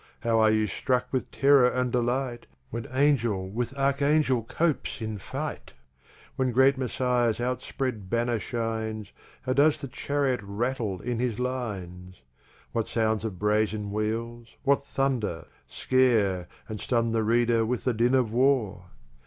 How are you struck with Terrour and Delight, When Angel with Arch Angel Cope's in Fight! When Great Messiah's out spread Banner shines, How does the Chariot Rattel in his Lines! What sounds of Brazen Wheels, what Thunder, scare, And stun the Reader with the Din of War!